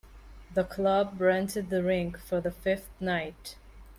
The club rented the rink for the fifth night.